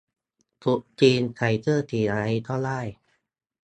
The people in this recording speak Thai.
ตรุษจีนใส่เสื้อสีอะไรก็ได้